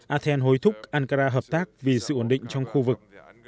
athen hối thúc ankara hợp tác vì sự ổn định trong khu vực